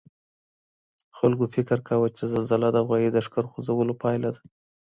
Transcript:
خلګو فکر کاوه چي زلزله د غوايي د ښکر خوځولو پایله ده.